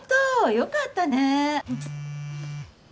よかったね。